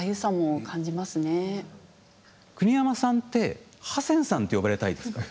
国山さんって「ハセンさん」と呼ばれたいですか？